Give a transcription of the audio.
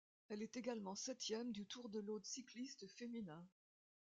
Elle est également septième du Tour de l'Aude cycliste féminin.